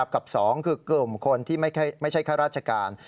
กับ๒คือกลุ่มคนที่ไม่ใช่ข้าราชการ